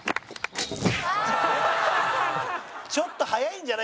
ちょっと速いんじゃない？